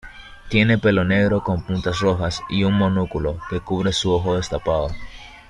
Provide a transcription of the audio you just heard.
Tiene pelo negro con puntas rojas y un monóculo que cubre su ojo destapado.